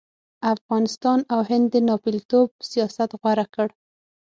افغانستان او هند د ناپېلتوب سیاست غوره کړ.